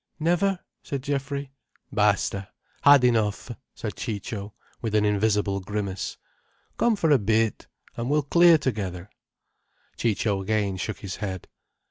"Never?" said Geoffrey. "Basta—had enough," said Ciccio, with an invisible grimace. "Come for a bit, and we'll clear together." Ciccio again shook his head.